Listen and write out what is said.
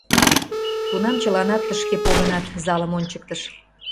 Тунам чыланат тышке погынат, — залым ончыктыш.